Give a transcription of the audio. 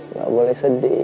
nggak boleh sedih